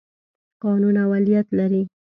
قانون اولیت لري.